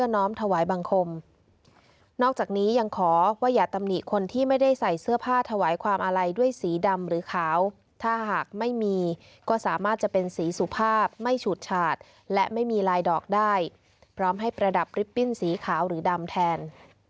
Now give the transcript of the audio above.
นอกจากนี้ยังขอว่าอย่าตำหนิคนที่ไม่ได้ใส่เสื้อผ้าถวายความอาลัยด้วยสีดำหรือขาวถ้าหากไม่มีก็สามารถจะเป็นสีสุภาพไม่ฉูดฉาดและไม่มีลายดอกได้พร้อมให้ประดับลิปปิ้นสีขาวหรือดำแทน